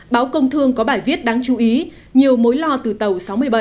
báo công thương có bài viết đáng chú ý nhiều mối lo từ tàu sáu mươi bảy